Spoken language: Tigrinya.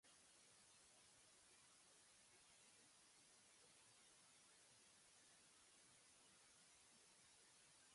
ጆርጅ ኣብ ዝሓለፈ ሰሙን ኣብ ናይ ኣባሓጎኡ ሕርሻ እንከሎ ፈረስ ኣጋሊቡ።